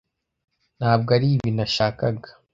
Ntabwo aribi nashakaga.